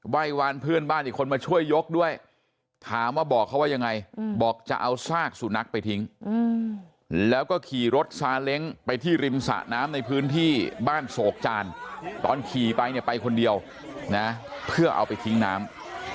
วานเพื่อนบ้านอีกคนมาช่วยยกด้วยถามว่าบอกเขาว่ายังไงบอกจะเอาซากสุนัขไปทิ้งแล้วก็ขี่รถซาเล้งไปที่ริมสระน้ำในพื้นที่บ้านโศกจานตอนขี่ไปเนี่ยไปคนเดียวนะเพื่อเอาไปทิ้งน้ำ